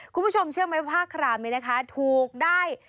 คุณผู้ชมเชื่อมั้ยว่าผ้าครามถูกได้